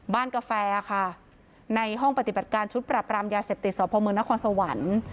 กาแฟค่ะในห้องปฏิบัติการชุดปรับรามยาเสพติดสพมนครสวรรค์